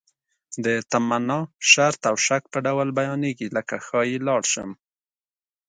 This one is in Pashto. د تمنا، شرط او شک په ډول بیانیږي لکه ښایي لاړ شم.